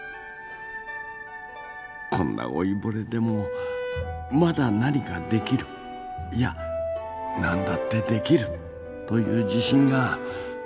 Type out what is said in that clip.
こんな老いぼれでも「まだ何かできる」いや「何だってできる」という自信が湧いてきたんです。